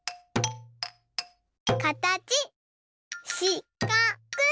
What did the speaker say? かたちしかく。